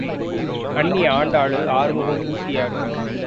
அண்ணி ஆண்டாளு, ஆறுமுகம் கூத்தியாரு.